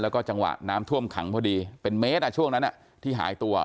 แล้วก็จังหวะน้ำท่วมขังพอดีเป็นเมตรช่วงนั้นที่หายตัว